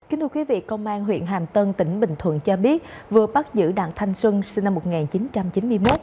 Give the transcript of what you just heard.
kính thưa quý vị công an huyện hàm tân tỉnh bình thuận cho biết vừa bắt giữ đặng thanh xuân sinh năm một nghìn chín trăm chín mươi một